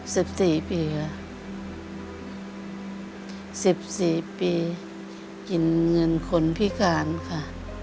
สิบสี่ปีค่ะสิบสี่ปีกินเงินคนพิการค่ะ